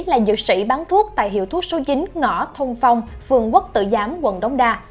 là dược sĩ bán thuốc tại hiệu thuốc số chín ngõ thông phong phường quốc tự giám quận đống đa